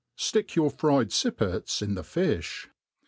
Stick your fried fippets in the fifl).